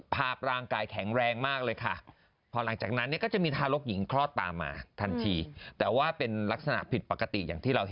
ภาพร่างกายแข็งแรงมากเลยค่ะพอหลังจากนั้นเนี่ยก็จะมีทารกหญิงคลอดตามมาทันที